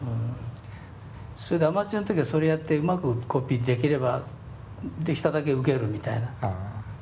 それでアマチュアの時はそれやってうまくコピーできればできただけウケるみたいな。